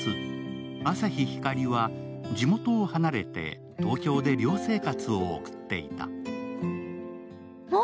朝日光は地元を離れて東京で寮生活を送っていた。